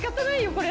これ。